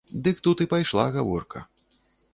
Дык тут і пайшла гаворка.